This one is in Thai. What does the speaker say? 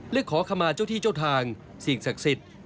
และขอขมาเจ้าที่เจ้าทางสิ่งศักดิ์สิทธิ์